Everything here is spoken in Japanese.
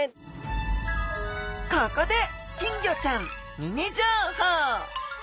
ここで金魚ちゃんミニ情報。